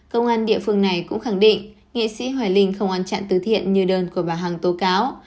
công an địa phương này cũng khẳng định nghệ sĩ hoài linh không ăn chặn tứ thiện như đơn của bà hằng tố cáo